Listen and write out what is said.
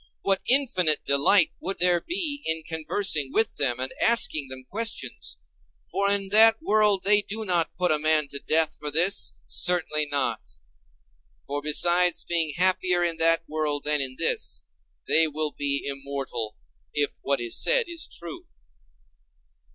What infinite delight would there be in conversing with them and asking them questions! For in that world they do not put a man to death for this; certainly not. For besides being happier in that world than in this, they will be immortal, if what is said is true.